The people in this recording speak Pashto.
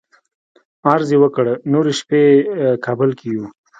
عرض یې وکړ نورې شپې کابل کې یو.